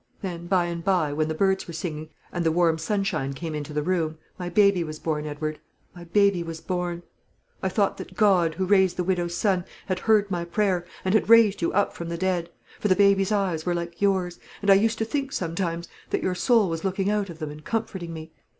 Then, by and by, when the birds were singing, and the warm sunshine came into the room, my baby was born, Edward; my baby was born. I thought that God, who raised the widow's son, had heard my prayer, and had raised you up from the dead; for the baby's eyes were like yours, and I used to think sometimes that your soul was looking out of them and comforting me.